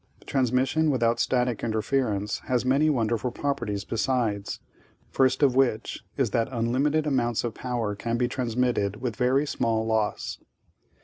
Transmission without static interference has many wonderful properties, besides, first of which is that unlimited amounts of power can be transmitted with very small loss.